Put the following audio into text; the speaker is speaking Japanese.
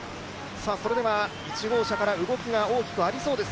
それでは、１号車から動きが大きくありそうです。